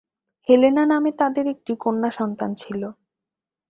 Helena নামে তাদের একটি কন্যা সন্তান ছিল।